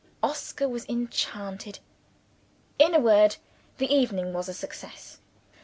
Oscar was enchanted. In a word, the evening was a success.